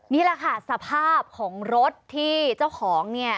นี่แหละค่ะสภาพของรถที่เจ้าของเนี่ย